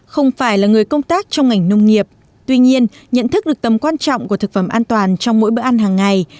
không phải là người công tác trong ngành nông nghiệp tuy nhiên nhận thức được tầm quan trọng của thực phẩm an toàn trong mỗi bữa ăn hàng ngày